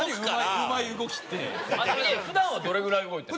普段はどれぐらい動いてるの？